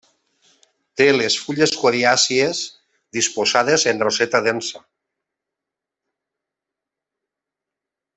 Té les fulles coriàcies disposades en roseta densa.